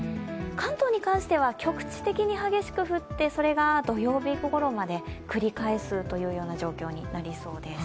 関東に関しては局地的に激しく降ってそれが土曜日ごろまで繰り返す状況になりそうです。